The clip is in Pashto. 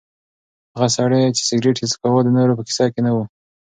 هغه سړی چې سګرټ یې څکاوه د نورو په کیسه کې نه و.